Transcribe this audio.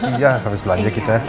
iya habis belanja kita